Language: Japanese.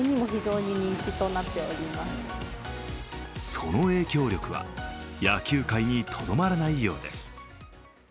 その影響力は野球界にとどまらないようです。